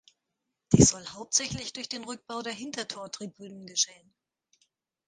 Dies soll hauptsächlich durch den Rückbau der Hintertortribünen geschehen.